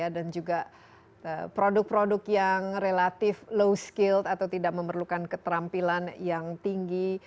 dan juga produk produk yang relatif low skill atau tidak memerlukan keterampilan yang tinggi